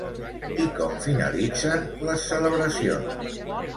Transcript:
I com finalitzen les celebracions?